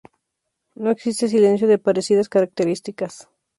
No existe silencio de parecidas características